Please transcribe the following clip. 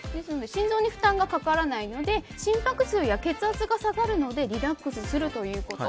心臓に負担がかからないので心拍数や血圧が下がるのでリラックスするということ。